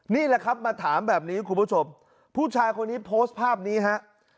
นี่แหละครับมาถามแบบนี้คุณผู้ชมผู้ชายคนนี้โพสต์ภาพนี้ฮะ